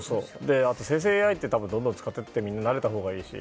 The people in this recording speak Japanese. あと生成ＡＩをどんどん使っていってみんな、慣れたほうがいいし。